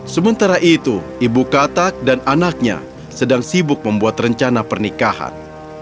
sementara itu ibu katak dan anaknya sedang sibuk membuat rencana pernikahan